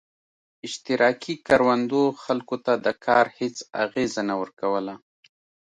اشتراکي کروندو خلکو ته د کار هېڅ انګېزه نه ورکوله.